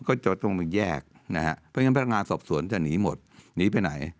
ก็จอดตรงไปแยกนะฮะเพราะฉะนั้นพนักงานสอบสวนจะหนีหมดหนีไปไหน